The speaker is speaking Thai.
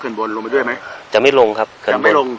เขื่อนบนลงไปด้วยไหมจะไม่ลงครับจะไม่ลง